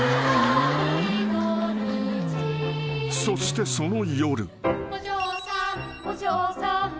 ［そしてその夜］